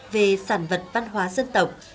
về sản vật văn hóa dân tộc